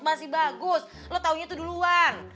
masih bagus lo taunya tuh duluan